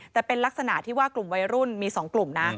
แต่เป็นลักษณะที่ว่ากลุ่มวัยรุ่นมี๒กลุ่มนะ